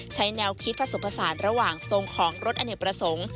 ใช้แนวคิดผสมผสานระหว่างทรงของรถอเนกประสงค์